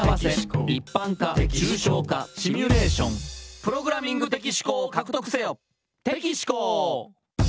「プログラミング的思考を獲得せよ」